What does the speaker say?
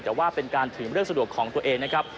แต่ว่าเป็นการถือเรื่องสะดวกของตัวเองนะครับ